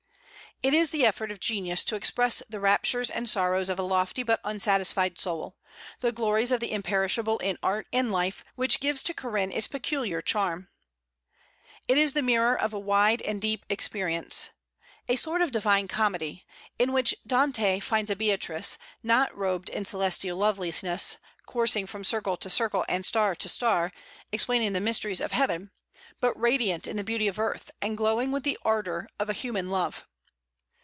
It is the effort of genius to express the raptures and sorrows of a lofty but unsatisfied soul, the glories of the imperishable in art and life, which gives to "Corinne" its peculiar charm. It is the mirror of a wide and deep experience, a sort of "Divine Comedy," in which a Dante finds a Beatrice, not robed in celestial loveliness, coursing from circle to circle and star to star, explaining the mysteries of heaven, but radiant in the beauty of earth, and glowing with the ardor of a human love.